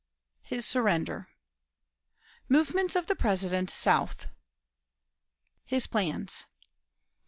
His Surrender. Movements of the President South. His Plans.